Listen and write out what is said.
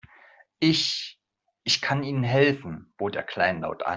Ich, ich kann Ihnen helfen, bot er kleinlaut an.